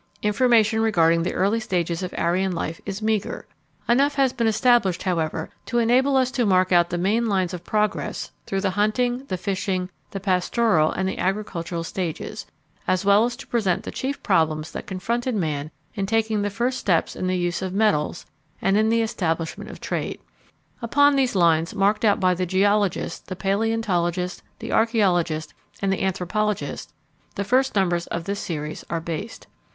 Information regarding the early stages of Aryan life is meager. Enough has been established, however, to enable us to mark out the main lines of progress through the hunting, the fishing, the pastoral, and the agricultural stages, as well as to present the chief problems that confronted man in taking the first steps in the use of metals, and in the establishment of trade. Upon these lines, marked out by the geologist, the paleontologist, the archæologist, and the anthropologist, the first numbers of this series are based.